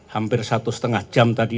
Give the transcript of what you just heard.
hampir satu setengah jam tadi